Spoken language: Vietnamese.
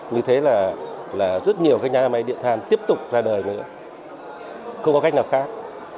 như thế là rất nhiều nhà máy điện than tiếp tục ra đời nữa không có cách nào khác